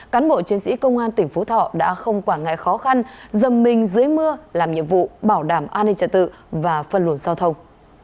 cán bộ chiến sĩ công an tỉnh phú thọ đã không quản ngại khó khăn dầm mình dưới mưa làm nhiệm vụ bảo đảm an ninh trật tự và phân luận giao thông